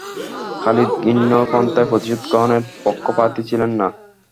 খালিদ ঘৃণ্য পন্থায় প্রতিশোধ গ্রহণের পক্ষপাতী ছিলেন না।